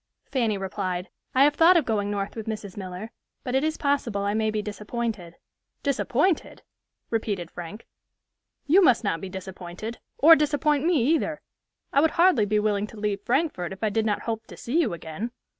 Fanny replied, "I have thought of going North with Mrs. Miller, but it is possible I may be disappointed." "Disappointed!" repeated Frank; "you must not be disappointed, or disappoint me either. I would hardly be willing to leave Frankfort if I did not hope to see you again.